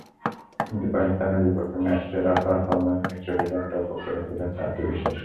কিন্তু পাকিস্তানের বিপক্ষে ম্যাচসেরা পারফরম্যান্স মিশ্রকে যেন টগবগ করে ফোটাচ্ছে আত্মবিশ্বাসে।